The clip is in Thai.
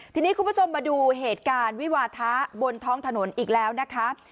ทีนี้คุณผู้ชมมาดูเหตุการณ์วิวาทะบนท้องถนนอีกแล้วนะคะ